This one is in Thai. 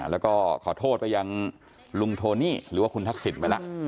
แล้วก็ขอโทษไปยังลุงโทนี่หรือว่าคุณทักษิณไปแล้ว